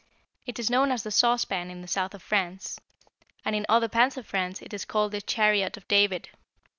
It is known as the 'Saucepan' in the South of France, and in other parts of France it is called the 'Chariot of David.'